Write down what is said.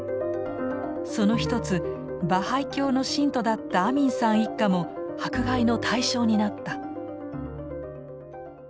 その一つバハイ教の信徒だったアミンさん一家も迫害の対象になった。